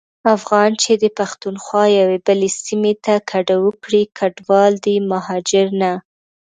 افغان چي د پښتونخوا یوې بلي سيمي ته کډه وکړي کډوال دی مهاجر نه.